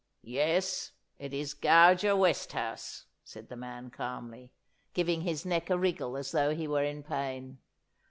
'Yes, it is Gauger Westhouse,' said the man calmly, giving his neck a wriggle as though he were in pain.